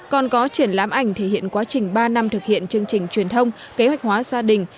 còn có triển lãm ảnh thể hiện quá trình ba năm thực hiện chương trình truyền thông kế hoạch hóa gia đình